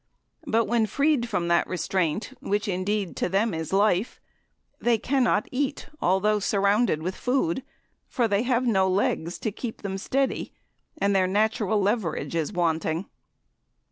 But when freed from the restraint, which indeed to them is life, they CANNOT eat although surrounded with food, for they have no legs to keep them steady, and their natural, leverage is wanting.